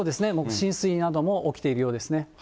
浸水なども起きているようですね。